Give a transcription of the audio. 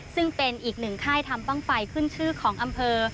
ซึ่งเป็นอีกหนึ่งค่ายทำบ้างไฟขึ้นชื่อของอำเภอ